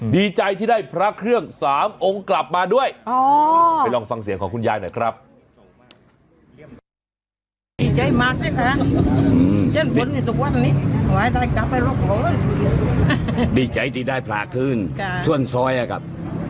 ดีใจที่ได้พระเครื่อง๓องค์กลับมาด้วยไปลองฟังเสียงของคุณยายหน่อยครับ